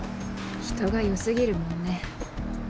人が良過ぎるもんね。